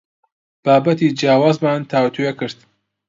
بابەتی جیاوازمان تاوتوێ کرد.